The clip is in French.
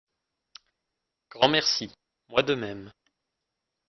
Grand merci, moi de même.